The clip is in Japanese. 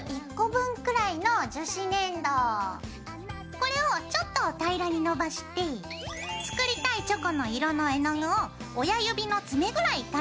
これをちょっと平らにのばして作りたいチョコの色の絵の具を親指の爪ぐらい垂らして。